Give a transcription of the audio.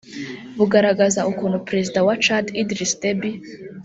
bugaragaza ukuntu Perezida wa Chad Idriss Deby